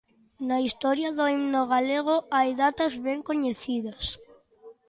Na historia do himno galego hai datas ben coñecidas.